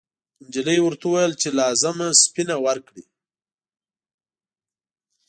نجلۍ ورته وویل چې لازمه سپینه ورکړي.